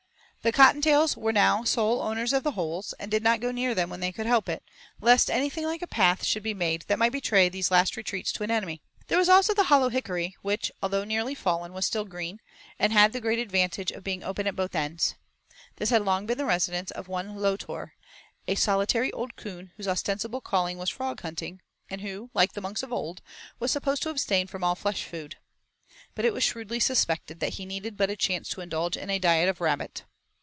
The Cottontails were now sole owners of the holes, and did not go near them when they could help it, lest anything like a path should be made that might betray these last retreats to an enemy. There was also the hollow hickory, which, though nearly fallen, was still green, and had the great advantage of being open at both ends. This had long been the residence of one Lotor, a solitary old coon whose ostensible calling was frog hunting, and who, like the monks of old, was supposed to abstain from all flesh food. But it was shrewdly suspected that he needed but a chance to indulge in a diet of rabbit.